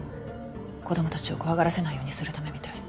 子供たちを怖がらせないようにするためみたい。